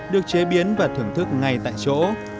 được chế biến và thưởng thức ngay tại chỗ